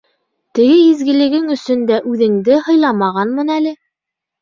Теге изгелегең өсөн дә үҙеңде һыйламағанмын әле.